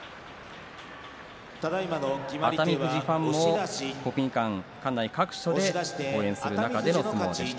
熱海富士ファン国技館、館内各所で応援する中での相撲でした。